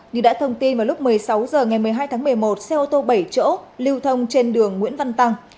như đã thông tin vào lúc một mươi sáu h ngày một mươi hai tháng một mươi một xe ô tô bảy chỗ lưu thông trên đường nguyễn văn tăng